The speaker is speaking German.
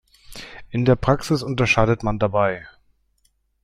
In der Praxis unterscheidet man dabei